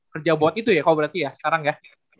kerja buat itu ya koko berarti ya sekarang ya